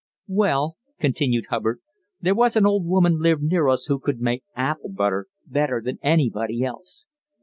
"Well," continued Hubbard, "there was an old woman lived near us who could make apple butter better than anybody else.